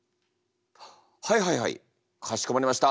はいはいはいかしこまりました。